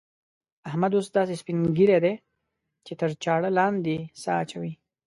احمد اوس داسې سپين ږيری دی چې تر چاړه لاندې سا اچوي.